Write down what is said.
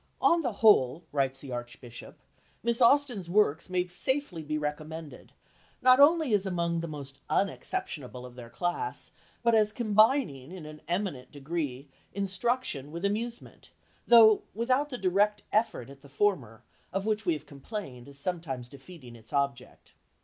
"On the whole," writes the Archbishop, "Miss Austin's works may safely be recommended, not only as among the most unexceptionable of their class, but as combining, in an eminent degree, instruction with amusement, though without the direct effort at the former, of which we have complained, as sometimes defeating its object."